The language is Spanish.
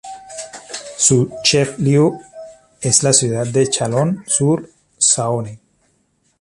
Su "chef-lieu" es la ciudad de Chalon-sur-Saône.